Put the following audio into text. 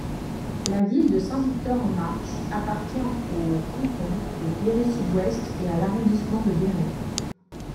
La ville de Saint-Victor-en-Marche appartient au canton de Guéret-Sud-Ouest et à l'arrondissement de Guéret.